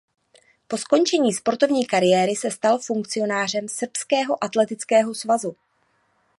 Po skončení sportovní kariéry se stal funkcionářem srbského atletického svazu.